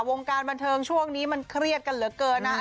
วงการบันเทิงช่วงนี้มันเครียดกันเหลือเกินนะ